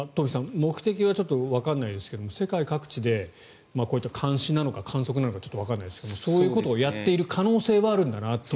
目的はちょっとわからないですが世界各地でこういった監視なのか観測なのかちょっとわからないですけどそういうことをやっている可能性はあるんだなと。